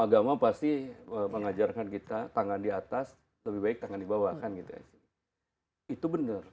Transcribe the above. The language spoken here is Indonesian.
agama pasti mengajarkan kita tangan di atas lebih baik tangan dibawahkan gitu itu bener